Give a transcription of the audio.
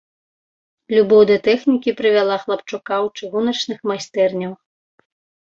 Любоў да тэхнікі прывяла хлапчука ў чыгуначных майстэрняў.